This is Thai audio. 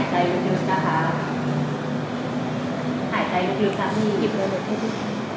หายใจยังมีครับนี่